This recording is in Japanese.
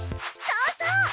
そうそう！